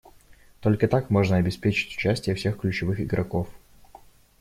Только так можно обеспечить участие всех ключевых игроков.